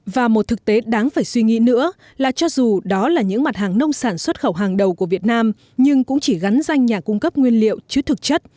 và một thực tế đáng phải suy nghĩ nữa là cho dù đó là những mặt hàng nông sản xuất khẩu hàng đầu của việt nam nhưng cũng chỉ gắn danh nhà cung cấp nguyên liệu chứ thực chất